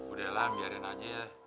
udah lah biarin aja ya